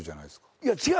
いや違う。